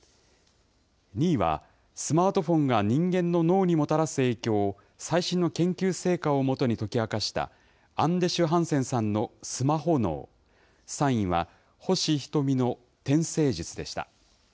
２位は、スマートフォンが人間の脳にもたらす影響を最新の研究成果を基に解き明かしたアンデシュ・ハンセンさんのスマホ脳、３位は、星ひとみの天星術でした。